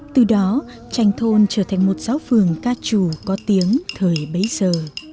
từ đó tranh thôn trở thành một giáo phường ca trù có tiếng thời bấy giờ